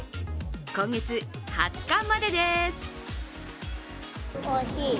今月２０日までです。